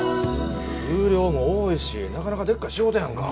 数量も多いしなかなかでっかい仕事やんか。